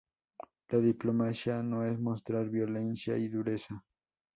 La diplomacia no es mostrar violencia y dureza.